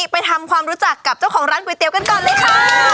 ไปทำความรู้จักกับเจ้าของร้านก๋วยเตี๋ยกันก่อนเลยค่ะ